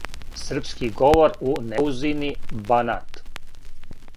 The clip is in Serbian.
српски говор у Неузини Банат